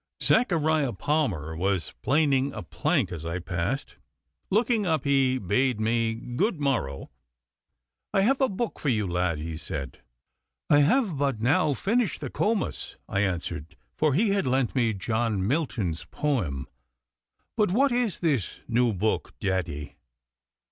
Zachariah Palmer was planing a plank as I passed. Looking up he bade me good morrow. 'I have a book for you, lad,' he said. 'I have but now finished the "Comus,"' I answered, for he had lent me John Milton's poem. 'But what is this new book, daddy?